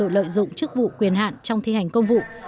lợi dụng chức vụ quyền hạn trong thi hành công vụ